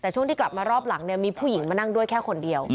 แต่ช่วงที่กลับมารอบหลังเนี่ยมีผู้หญิงมานั่งด้วยแค่คนเดียว